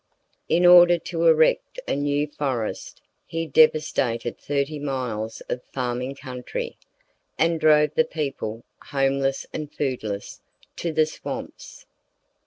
In order to erect a new forest, he devastated thirty miles of farming country, and drove the people, homeless and foodless, to the swamps.